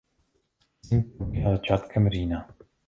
Sklizeň probíhá začátkem října.